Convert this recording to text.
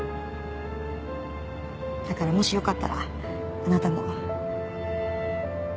だからもしよかったらあなたも。